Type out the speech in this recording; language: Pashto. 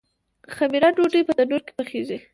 خمیره ډوډۍ په تندور کې پخیږي.